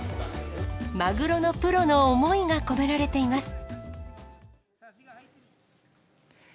マグロのプロの思いが込められています。